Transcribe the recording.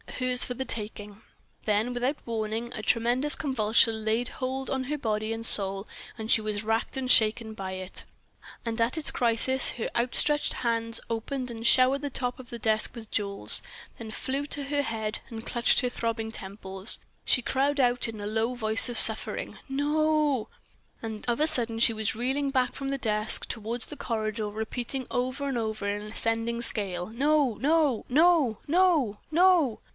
Hers for the taking! Then, without warning, a tremendous convulsion laid hold on her body and soul, and she was racked and shaken by it, and at its crisis her outstretched hands opened and showered the top of the desk with jewels, then flew to her head and clutched her throbbing temples. She cried out in a low voice of suffering: "No!" And of a sudden she was reeling back from the desk, toward the corridor door, repeating over and over on an ascending scale: _"No! no! no! no! no!"